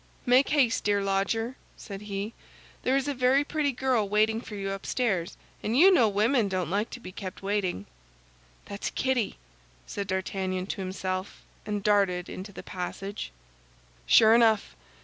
"Make haste, dear lodger," said he; "there is a very pretty girl waiting for you upstairs; and you know women don't like to be kept waiting." "That's Kitty!" said D'Artagnan to himself, and darted into the passage. Sure enough!